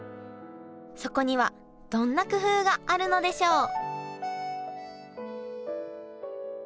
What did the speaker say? そこにはどんな工夫があるのでしょう？